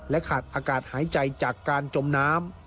ขาดอากาศหายใจจากการจมน้ำ